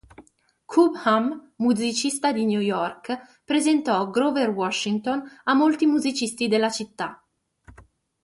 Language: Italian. Cobham, musicista di New York, presentò Grover Washington a molti musicisti della città.